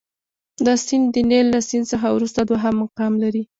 دا سیند د نیل له سیند څخه وروسته دوهم مقام لري.